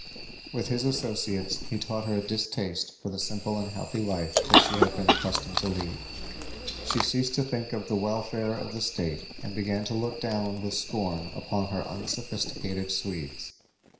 With his associates he taught her a distaste for the simple and healthy life that she had been accustomed to lead. She ceased to think of the welfare of the state and began to look down with scorn upon her unsophisticated Swedes.